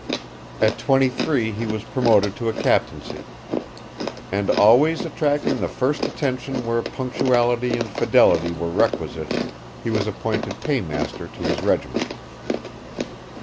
At twenty three he was promoted to a captaincy; and, always attracting the first attention where punctuality and fidelity were requisite, he was appointed paymaster to his regiment."